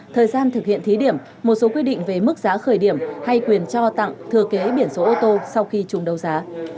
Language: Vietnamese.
thời gian thực hiện thí điểm một số quy định về mức giá khởi điểm hay quyền cho tặng thừa kế biển số ô tô sau khi trùng đấu giá